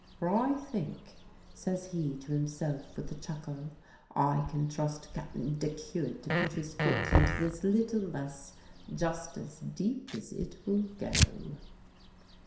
"For I think," says he to himself, with a chuckle, "I can trust Cap'n Dick Hewitt to put his foot into this little mess just as deep as it will go."